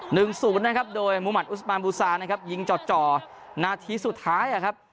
หนึ่งศูนย์นะครับโดยมุมัติอุสมานบูซานะครับยิงจ่อจ่อนาทีสุดท้ายอ่ะครับ